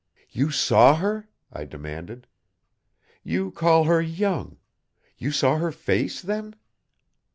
"You saw her?" I demanded. "You call her young. You saw her face, then?"